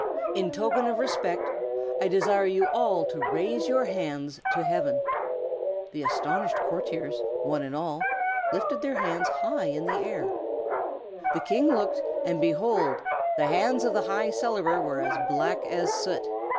In token of respect, I desire you all to raise your hands to Heaven." The astonished courtiers, one and all, lifted their hands high in air. The King looked, and, behold! the hands of the High Cellarer were as black as soot!